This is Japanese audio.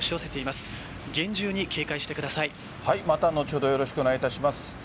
また後ほどよろしくお願いいたします。